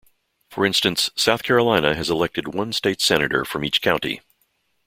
For instance, South Carolina had elected one state senator from each county.